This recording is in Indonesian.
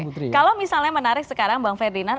kalau misalnya menarik sekarang bang ferdinand